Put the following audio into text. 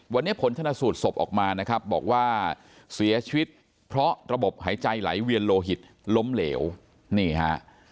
วันนี้ผลชนะสูตรศพออกมานะครับบอกว่าเสียชีวิตเพราะระบบหายใจไหลเวียนโลหิตล้มเหลวนี่ฮะ